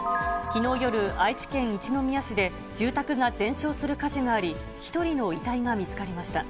きのう夜、愛知県一宮市で、住宅が全焼する火事があり、１人の遺体が見つかりました。